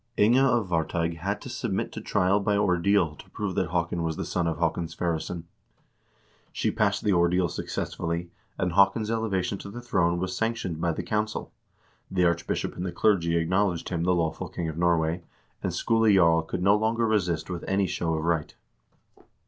Inga of Var teig had to submit to trial by ordeal to prove that Haakon was the son of Haakon Sverresson. She passed the ordeal successfully, and Haakon's elevation to the throne was sanctioned by the council ; the archbishop and the clergy acknowledged him the lawful king of Norway, and Skule Jarl could no longer resist with any show of right.